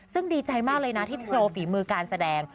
ซึ่งดีใจมากเลยนะที่โปรฝีมือการแสดง